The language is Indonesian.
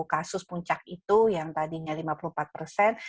kasus puncak itu yang tadinya lima puluh empat persen